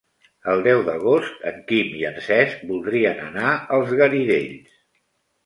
El deu d'agost en Quim i en Cesc voldrien anar als Garidells.